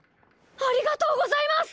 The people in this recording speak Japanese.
ありがとうございます！